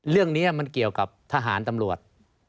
เรื่องนี้มันเกี่ยวกับทหารตำรวจ